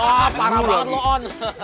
wah parah banget on